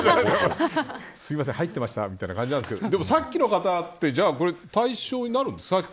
すいません、入ってましたみたいな感じなんですけどでも、さっきの人って対象になるんですか。